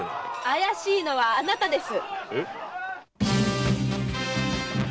怪しいのはあなたです！